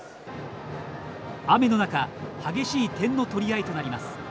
雨の中激しい点の取り合いとなります。